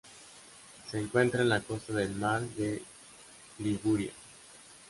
Se encuentra en la costa del mar de Liguria.